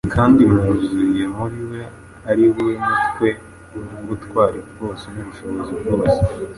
Kandi mwuzuriye muri we, ari we Mutwe w’ubutware bwose n’ubushobozi bwose